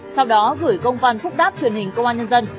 sau đó gửi công văn phúc đáp truyền hình công an nhân dân